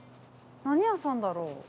何屋さんだろう。